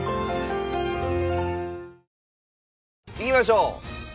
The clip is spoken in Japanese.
いきましょう。